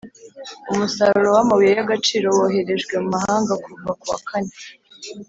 Umusaruro w amabuye y agaciro woherejwe mu mahanga kuva ku wakane